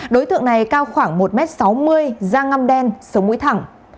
đối tượng này cao khoảng một m sáu mươi da ngâm đen sống mũi thẳng